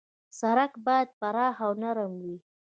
سړک باید پراخ او نرم وي.